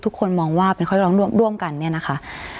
ทุกคนมองว่าเป็นข้อเรียกร้องร่วมกันเนี่ยนะคะ